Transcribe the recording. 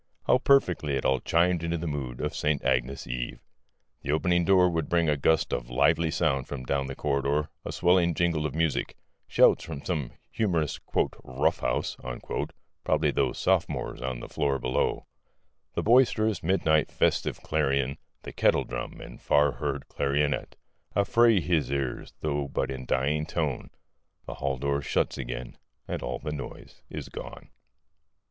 How perfectly it all chimed into the mood of St. Agnes' Eve! The opening door would bring a gust of lively sound from down the corridor, a swelling jingle of music, shouts from some humorous "rough house" (probably those sophomores on the floor below) The boisterous, midnight, festive clarion The kettle drum, and far heard clarionet Affray his ears, though but in dying tone The hall door shuts again, and all the noise is gone.